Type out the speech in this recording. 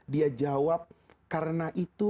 dia jawab karena itu